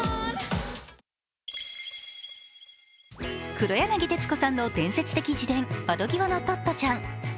黒柳徹子さんの伝説的自伝「窓際のトットちゃん」。